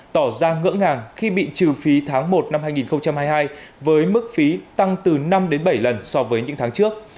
tỏ ra ngỡ ngàng khi bị trừ phí tháng một năm hai nghìn hai mươi hai với mức phí tăng từ năm đến bảy lần so với những tháng trước